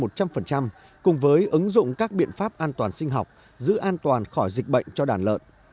tổng các biện pháp an toàn sinh học giữ an toàn khỏi dịch bệnh cho đàn lợn